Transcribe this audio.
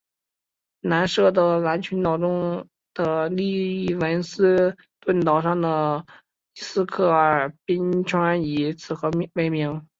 南设得兰群岛中的利文斯顿岛上的伊斯克尔冰川以此河为名。